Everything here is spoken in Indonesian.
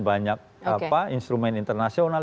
banyak instrumen internasional